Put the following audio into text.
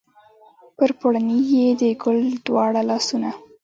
پر پوړني یې د ګل دواړه لاسونه